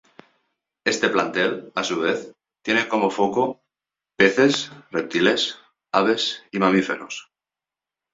Este plantel, a su vez, tiene como foco peces, reptiles, aves y mamíferos.